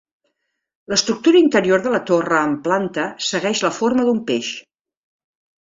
L'estructura interior de la torre en planta segueix la forma d'un peix.